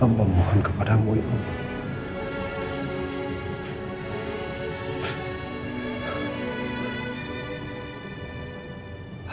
amba mohon kepadamu ya allah